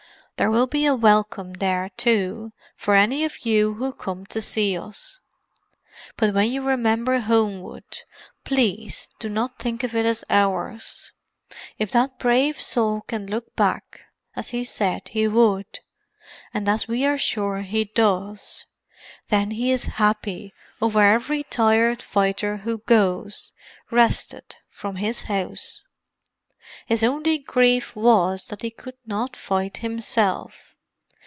"There will be a welcome there, too, for any of you who come to see us. But when you remember Homewood, please do not think of it as ours. If that brave soul can look back—as he said he would, and as we are sure he does—then he is happy over every tired fighter who goes, rested, from his house. His only grief was that he could not fight himself.